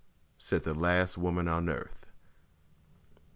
said the last woman on earth.